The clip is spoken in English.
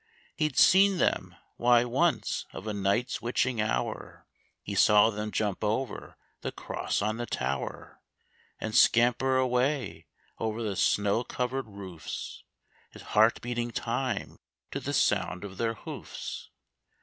He'd seen them. Why, once, of a night's witching hour He saw them jump over the cross on the tower And scamper away o'er the snow covered roofs, His heart beating time to the sound of their hoofs.